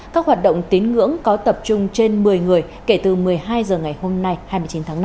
các hoạt động tín ngưỡng có tập trung trên một mươi người kể từ một mươi hai h ngày hôm nay hai mươi chín tháng năm